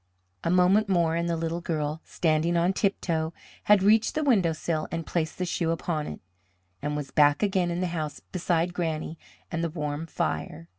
A moment more and the little girl, standing on tiptoe, had reached the windowsill and placed the shoe upon it, and was back again in the house beside Granny and the warm fire.